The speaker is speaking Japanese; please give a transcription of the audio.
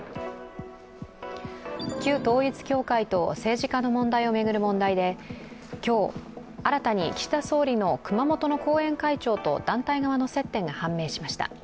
旧統一教会と政治家の問題を巡る問題で今日、新たに岸田総理の熊本の後援会長と団体側の接点が判明しました。